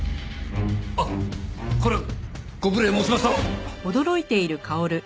あっこれはご無礼申しました！